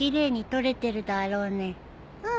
うん。